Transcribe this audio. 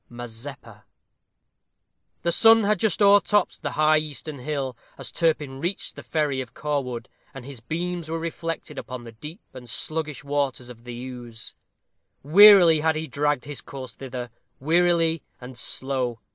Mazeppa. The sun had just o'ertopped the "high eastern hill," as Turpin reached the Ferry of Cawood, and his beams were reflected upon the deep and sluggish waters of the Ouse. Wearily had he dragged his course thither wearily and slow.